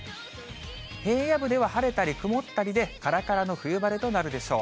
平野部では晴れたり曇ったりで、からからの冬晴れとなるでしょう。